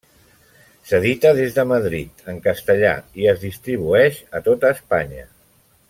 S'edita des de Madrid, en castellà, i es distribueix a tota Espanya.